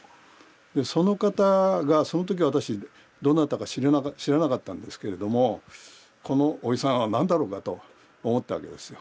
その方がその時私どなたか知らなかったんですけれどもこのおじさんは何だろうかと思ったわけですよ。